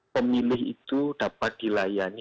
pemilih itu dapat dilayani